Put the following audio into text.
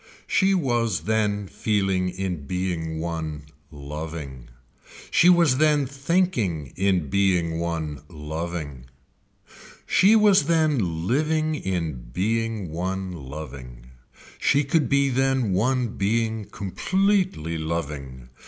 She was then feeling in being one loving, she was then thinking in being one loving. She was then living in being one loving. She could be then one being completely loving.